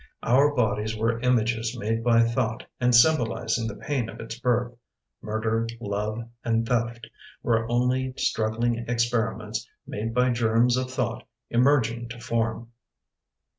Our bodies were images made by thought And symbolizing the pain of its birth. Murder, love, and theft Were only struggling experiments Made by germs of thought emerging to form.